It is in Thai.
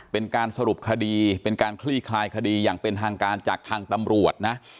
เป็นการสรุปคดีเป็นการคลี่คลายคดีอย่างเป็นทางการจากทางตำรวจนะ